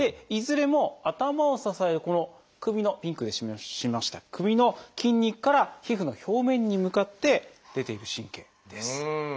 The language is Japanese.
いずれも頭を支えるこの首のピンクで示しました首の筋肉から皮膚の表面に向かって出ていく神経です。